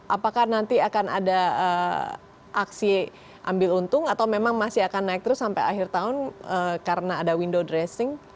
apakah nanti akan ada aksi ambil untung atau memang masih akan naik terus sampai akhir tahun karena ada window dressing